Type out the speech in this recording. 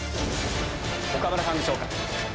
岡村さんでしょうか？